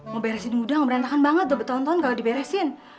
mau beresin gudang merantakan banget udah bertahun tahun gak diberesin